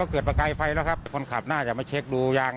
เกิดประกายไฟแล้วครับคนขับน่าจะมาเช็คดูยาง